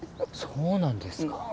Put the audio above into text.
そうなんですか。